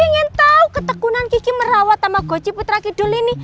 mas randy pengen tahu ketekunan kiki merawat tamagotchi putra kidul ini